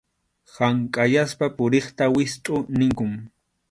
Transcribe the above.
Hank’ayaspa puriqta wistʼu ninkum.